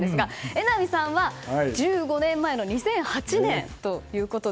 榎並さんは１５年前の２００８年ということで。